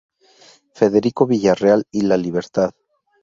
Federico Villarreal y La libertad.